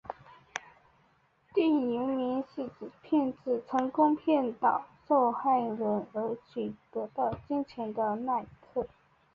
电影原名是指骗子成功骗倒受害人而取得金钱的那一刻。